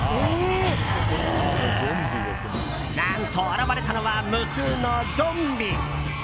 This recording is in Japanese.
何と、現れたのは無数のゾンビ！